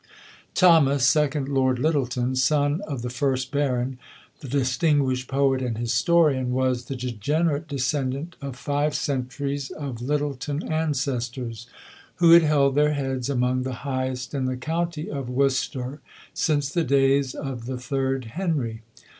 Thomas, second Lord Lyttelton, son of the first Baron, the distinguished poet and historian, was the degenerate descendant of five centuries of Lyttelton ancestors, who had held their heads among the highest in the county of Worcester since the days of the third Henry.